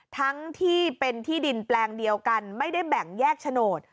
ทั้งที่เป็นที่ดินแปลงเดียวกันไม่ได้แบ่งแยกโฉนด